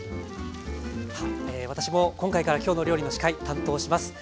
私も今回から「きょうの料理」の司会担当します。